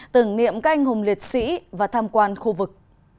tưởng niệm các anh hùng liệt sĩ và tham quan khu vực